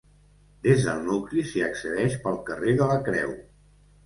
Des del nucli s'hi accedeix pel carrer de la Creu.